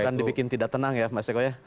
akan dibikin tidak tenang ya mas eko ya